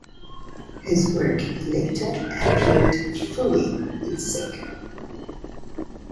His work later appeared in "Fooey" and "Sick".